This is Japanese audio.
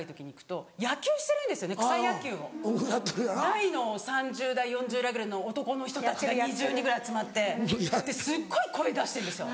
大の３０代４０代の男の人たちが２０人ぐらい集まってすっごい声出してるんですよ。